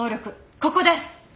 ここで。